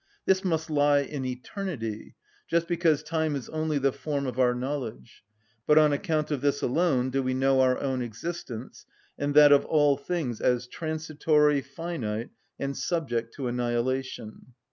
This must lie in eternity, just because time is only the form of our knowledge; but on account of this alone do we know our own existence, and that of all things as transitory, finite, and subject to annihilation.